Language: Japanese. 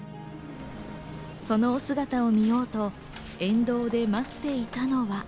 そのお姿を見ようと、沿道で待っていたのは。